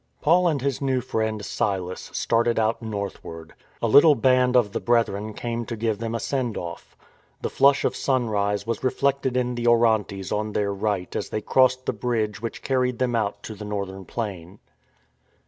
Paul and his new friend, Silas, started out north ward. A little band of the Brethren came to give them a send off. The flush of sunrise was reflected in the Orontes on their right as they crossed the bridge which carried them out on to the northern plain.